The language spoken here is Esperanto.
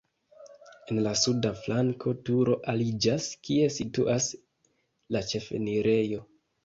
En la suda flanko turo aliĝas, kie situas la ĉefenirejo.